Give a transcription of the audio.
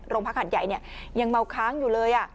โรงพักหัดใหญ่เนี่ยยังเมาค้างอยู่เลยอ่ะ